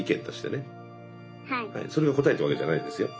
それが答えってわけじゃないですよ。